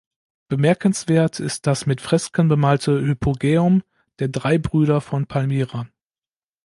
Bemerkenswert ist das mit Fresken bemalte Hypogäum der drei Brüder von Palmyra.